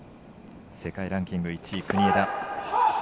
世界ランキング１位、国枝。